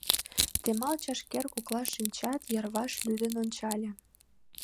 Темал чашкер коклаш шинчат, йырваш лӱдын ончале.